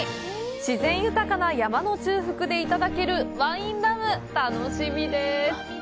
自然豊かな山の中腹でいただけるワインラム、楽しみです！